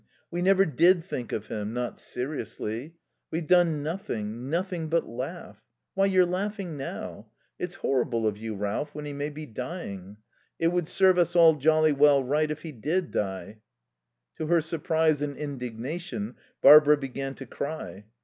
We never did think of him. Not seriously. We've done nothing nothing but laugh. Why, you're laughing now. ... It's horrible of you, Ralph, when he may be dying. ... It would serve us all jolly well right if he did die." To her surprise and indignation, Barbara began to cry.